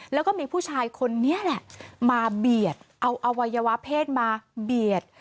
แล้วก็มีผู้ชายคนนี้แหละมาเบียดเอาอวัยวะเพศมาเบียด